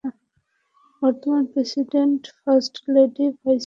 বর্তমান president, first lady, vice president সবাই হিলারির পক্ষে প্রচারণায় আছেন।